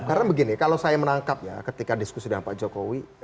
karena begini kalau saya menangkap ya ketika diskusi dengan pak jokowi